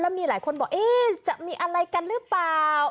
มีหลายคนบอกจะมีอะไรกันหรือเปล่า